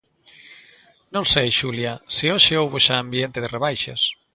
Non sei, Xulia, se hoxe houbo xa ambiente de rebaixas.